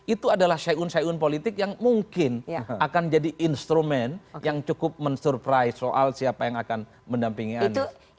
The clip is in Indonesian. itu adalah syaiun syaiun politik yang mungkin akan jadi instrumen yang cukup men surprise soal siapa yang akan mendampingi anies